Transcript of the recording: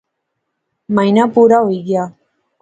مہینہ پورا ہوئی گیا